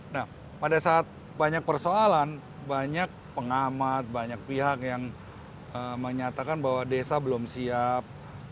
nah pada saat banyak persoalan banyak pengamat banyak pihak yang menyatakan bahwa desa belum siap dana desa supaya direview lagi